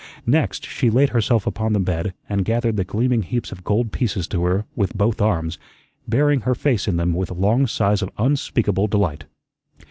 Next she laid herself upon the bed and gathered the gleaming heaps of gold pieces to her with both arms, burying her face in them with long sighs of unspeakable delight.